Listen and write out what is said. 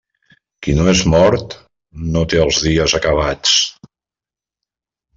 Qui no és mort, no té els dies acabats.